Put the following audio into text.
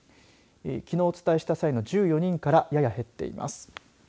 きのうお伝えした際の１４人からやや減っています。